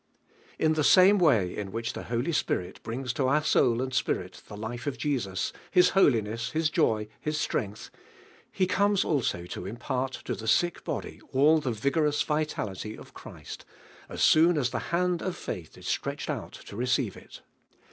la the same way in which the Holy Spirit brings J o onr soul and spirit the life of Jesus, His holiness, His joy, His strength, He comes also to impart to the DIVINE HEALING. sick body all the vigorous vitality of (Jln'isl as soon as the hand of faith is slret'hed out to receive it.